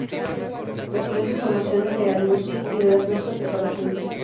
La siguiente información es de Allmusic y de las notas de "Para Siempre".